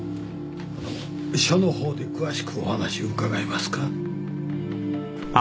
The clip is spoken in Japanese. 署の方で詳しくお話伺えますか？